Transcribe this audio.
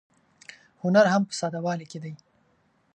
هنر هم په ساده والي کې دی.